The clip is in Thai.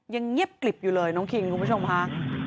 ยังเงียบกลิบอยู่เลยน้องคิงคุณผู้ชมค่ะ